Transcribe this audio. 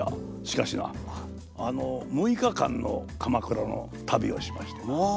しかしな６日間の鎌倉の旅をしましてな